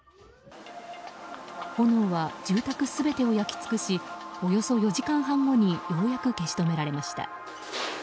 炎は住宅全てを焼き尽くしおよそ４時間半後にようやく消し止められました。